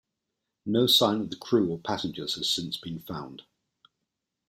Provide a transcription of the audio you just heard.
No sign of the crew or passengers has since been found.